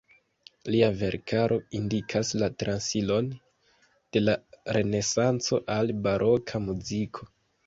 Lia verkaro indikas la transiron de la renesanco al baroka muziko.